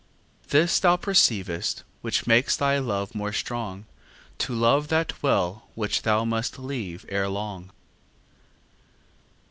This thou perceiv'st, which makes thy love more strong, To love that well, which thou must leave ere long.